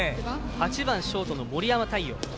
８番ショートの森山太陽。